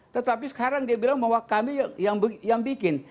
tetapi sekarang dia bilang bahwa kami yang bikin